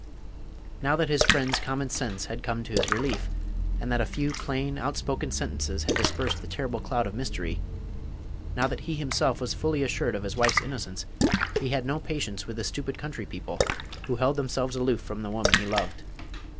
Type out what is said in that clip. Now that his friend's common sense had come to his relief, and that a few plain, outspoken sentences had dispersed the terrible cloud of mystery, now that he himself was fully assured of his wife's innocence, he had no patience with the stupid country people who held themselves aloof from the woman he loved.